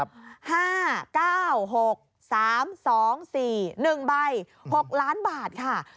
๕๙๖๓๒๔๑ใบ๖ล้านบาทค่ะ